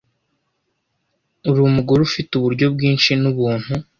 ur'umugore ufite uburyo bwinshi n’ubuntu.